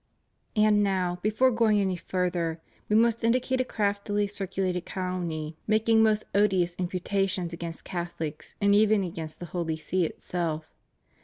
And now, before going any further, We must indicate a craftily circulated calumny making most odious impu tations against Catholics, and even against the Holy See itself.